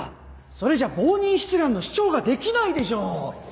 それじゃ冒認出願の主張ができないでしょう！